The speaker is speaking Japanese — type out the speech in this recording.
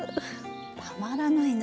たまらないな